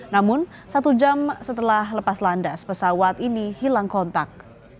namun satu jam setelah lepas landas pesawat ini hilang kontak